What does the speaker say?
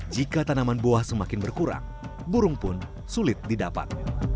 jika tanaman buah semakin berkurang burung pun sulit didapat